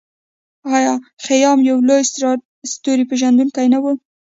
آیا خیام یو لوی ستورپیژندونکی نه و؟